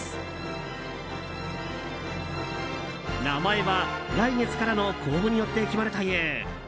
名前は来月からの公募によって決まるという。